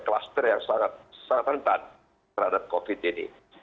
kluster yang sangat rentan terhadap covid ini